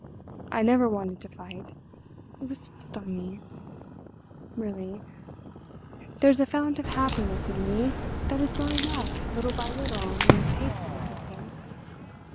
I never wanted to fight—it was thrust on me. Really, there's a fount of happiness in me, that is drying up, little by little, in this hateful existence.